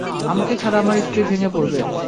আমাকে ছাড়া আমার স্ত্রী ভেঙ্গে পড়বে।